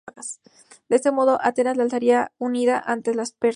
De ese modo, Atenas se alzaría unida ante los persas.